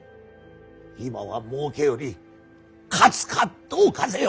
今はもうけより勝つかどうかぜよ。